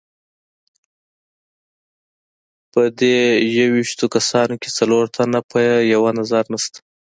په دې یوویشتو کسانو کې څلور تنه په یوه نظر نسته.